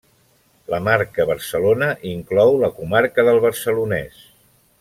La marca Barcelona inclou la comarca del Barcelonès.